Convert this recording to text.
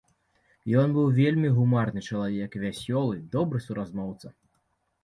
Ён быў вельмі гумарны чалавек, вясёлы, добры суразмоўца.